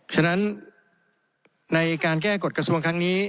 ฉะนั้นในการแก้กฎกระทรวงครั้งนี้